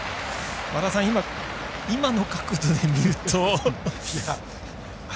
和田さん、今の角度で見ると。